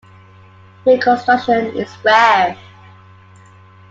New construction is rare.